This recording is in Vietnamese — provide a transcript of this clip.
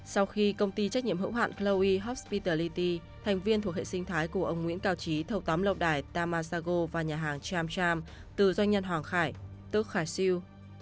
sau khi công ty trách nhiệm hữu hạn chloe hospitality thành viên thuộc hệ sinh thái của ông nguyễn cao trí thầu tóm lộng đài tamasago và nhà hàng cham cham từ doanh nhân hoàng khải tức khải siêu